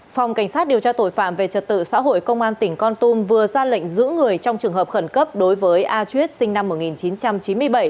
phòng cảnh sát điều tra tội phạm về trật tự xã hội công an tỉnh con tum vừa ra lệnh giữ người trong trường hợp khẩn cấp đối với a chuyết sinh năm một nghìn chín trăm chín mươi bảy